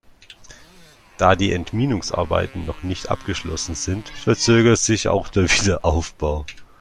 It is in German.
Da die Entminungsarbeiten noch nicht abgeschlossen sind, verzögert sich auch der Wiederaufbau.